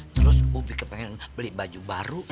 terus publik kepengen beli baju baru